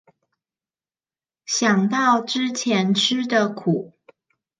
想到之前吃的苦